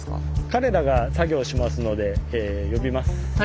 彼らが作業しますので呼びます。